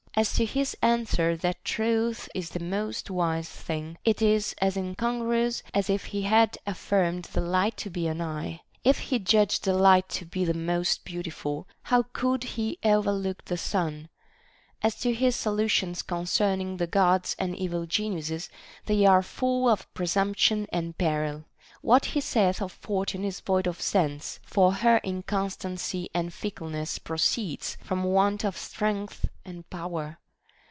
As to his answer that truth is the most wise thing, it is as in congruous as if he had affirmed the light to be an eye ; if VOL. II. 2 18 THE BANQUET OF THE SEVEN WISE MEN. he judged the light to be the most beautiful, how could he overlook the sun ; as to his solutions concerning the Gods and evil geniuses, they are full of presumption and peril. What he saith of Fortune is void of sense, for her incon stancy and fickleness proceeds from want of strength and power.